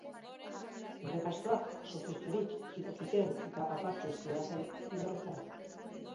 Errekastoak, oso puzturik, irakiten eta apartsu zihoazen ibarretara.